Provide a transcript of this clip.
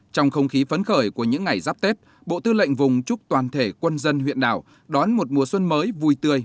trong không khí phấn khởi của những ngày giáp tết bộ tư lệnh vùng chúc toàn thể quân dân huyện đảo đón một mùa xuân mới vui tươi